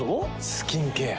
スキンケア。